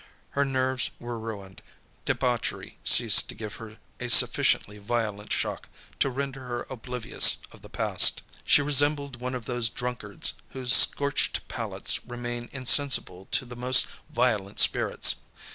Her nerves were ruined. Debauchery ceased to give her a sufficiently violent shock to render her oblivious of the past. She resembled one of those drunkards whose scorched palates remain insensible to the most violent spirits.